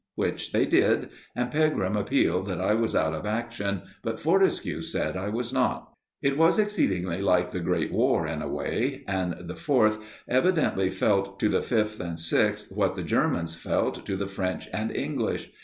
Which they did; and Pegram appealed that I was out of action, but Fortescue said I was not. It was exceedingly like the Great War in a way, and the Fourth evidently felt to the Fifth and Sixth what the Germans felt to the French and English.